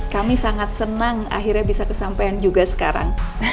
kami sangat senang akhirnya bisa kesampean juga sekarang